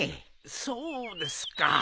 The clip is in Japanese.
そうですか。